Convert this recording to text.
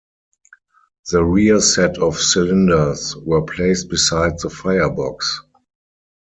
The rear set of cylinders were placed beside the firebox.